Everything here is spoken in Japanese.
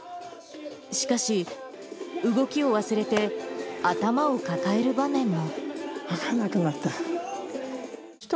しかし、動きを忘れて頭を抱える場面も。